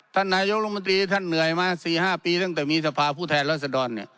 ท่านนายกรัฐมนตรีท่านเหนื่อยมาสี่ห้าปีตั้งแต่มีทภาพผู้แทนรัฐศดร